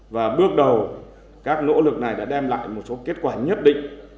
và bước đầu các nỗ lực này đã đem lại một số kết quả nhất định